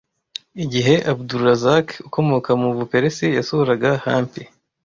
Igihe Abdur Razzak ukomoka mu Buperesi yasuraga Hampi,